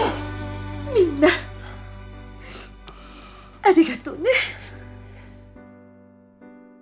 みんなありがとうね。